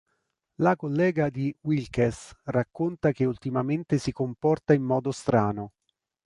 La collega di Wilkes racconta che ultimamente si comporta in modo strano.